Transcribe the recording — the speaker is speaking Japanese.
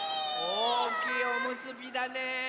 おおきいおむすびだね。